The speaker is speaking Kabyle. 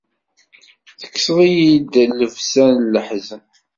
Tekkseḍ-iyi llebsa n leḥzen.